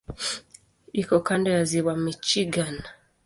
Iko kando ya Ziwa Michigan.